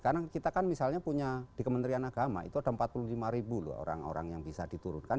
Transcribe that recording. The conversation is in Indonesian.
karena kita kan misalnya punya di kementerian agama itu ada empat puluh lima ribu loh orang orang yang bisa diturunkan